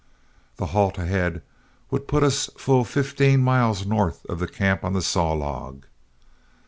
The halt ahead would put us full fifteen miles north of our camp on the Saw Log.